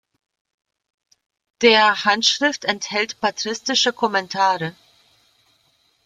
Der Handschrift enthält patristische Kommentare.